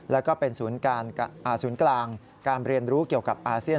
แล้วก็เป็นศูนย์กลางการเรียนรู้เกี่ยวกับอาเซียน